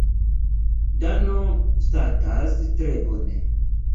Dano statas tre bone.